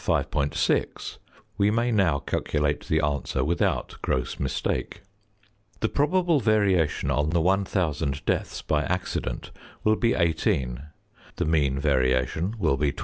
6_, we may now calculate the answer without gross mistake. The probable variation on the 1000 deaths by accident will be 18, the mean variation will be 24.